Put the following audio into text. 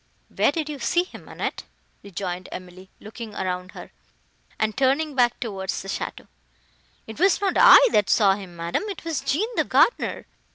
"Where did you see him, Annette?" rejoined Emily, looking round her, and turning back towards the château. "It was not I that saw him, madam, it was Jean the gardener.